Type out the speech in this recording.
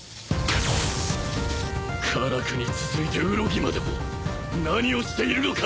可楽に続いて空喜までも何をしているのか！